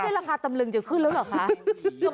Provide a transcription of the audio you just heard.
นี่ราคาตำลึงจะขึ้นแล้วเหรอคะ